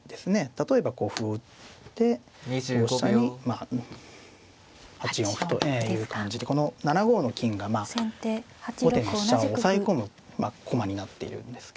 例えばこう歩を打って同飛車に８四歩という感じでこの７五の金が後手の飛車を押さえ込む駒になっているんですけどね。